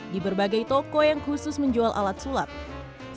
di berbagai toko yang khusus menjual alat sulap ada juga peralatan sulap mudah didapatkan